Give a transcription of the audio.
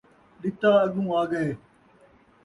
ݙتا اڳوں آڳئے